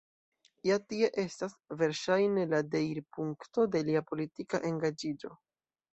Ja tie estas, verŝajne, la deirpunkto de lia politika engaĝiĝo.